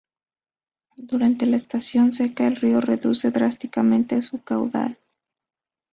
Durante la estación seca, el río reduce drásticamente su caudal.